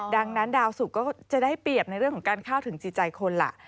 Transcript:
ดังนั้นดาวสุกก็จะได้เปรียบในเรื่องของการเข้าถึงจิตใจคนล่ะ